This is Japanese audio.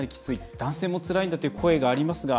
男性もつらいんだという声がありますが。